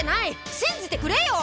信じてくれよ！